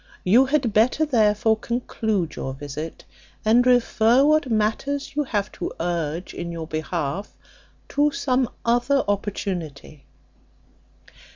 You had better, therefore, conclude your visit, and refer what matters you have to urge in your behalf to some other opportunity."